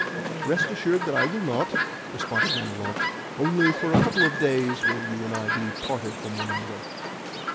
"Rest assured that I will not," responded Manilov. "Only for a couple of days will you and I be parted from one another."